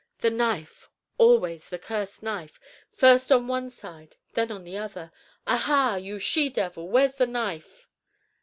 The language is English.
The knife always the cursed knife first on one side, then on the other. Aha! you she devil, where's the knife?"